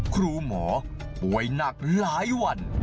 ครูหมอป่วยหนักหลายวัน